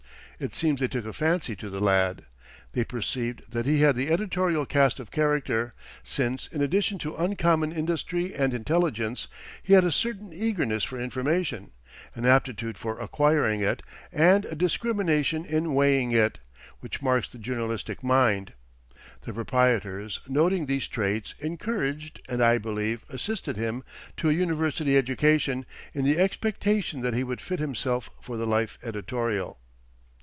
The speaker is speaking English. It seems they took a fancy to the lad. They perceived that he had the editorial cast of character, since, in addition to uncommon industry and intelligence, he had a certain eagerness for information, an aptitude for acquiring it, and a discrimination in weighing it, which marks the journalistic mind. The proprietors, noting these traits, encouraged, and, I believe, assisted him to a university education, in the expectation that he would fit himself for the life editorial.